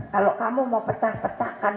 kalau kamu mau pecah pecahkan